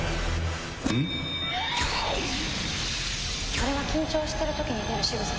あれは緊張してる時に出るしぐさ。